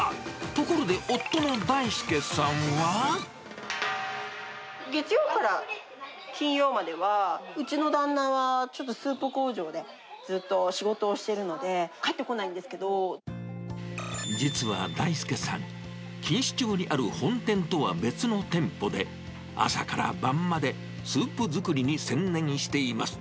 ところで、夫の大輔さんは。月曜から金曜までは、うちの旦那は、ちょっとスープ工場で、ずっと仕事をしてるので、帰ってこないん実は大輔さん、錦糸町にある本店とは別の店舗で、朝から晩までスープ作りに専念しています。